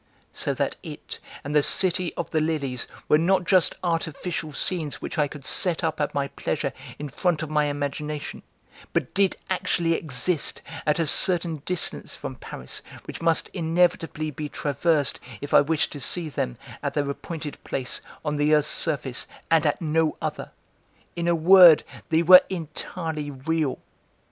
So that it and the City of the Lilies were not just artificial scenes which I could set up at my pleasure in front of my imagination, but did actually exist at a certain distance from Paris which must inevitably be traversed if I wished to see them, at their appointed place on the earth's surface, and at no other; in a word they were entirely real.